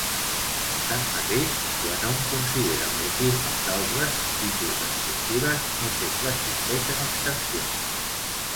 Tanmateix, quan hom considera morfismes d'altres tipus d'estructures, no sempre existeixen extensions.